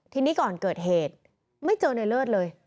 ทีนี้ก่อนเกิดเหตุไม่เจอในเลิศเลย